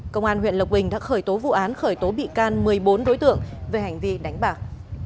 công an huyện lộc bình đã khởi tố vụ án khởi tố bị can một mươi bốn đối tượng về hành vi đánh bạc